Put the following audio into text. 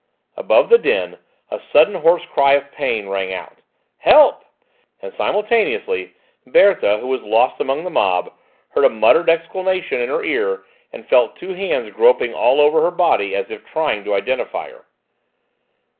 Above the din a sudden hoarse cry of pain rang out, "Help!" and simultaneously Berthe, who was lost among the mob, heard a muttered exclamation in her ear and felt two hands groping all over her body as if trying to identify her.